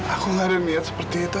aku gak ada niat seperti itu